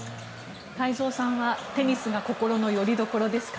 太蔵さんはテニスが心のよりどころですか？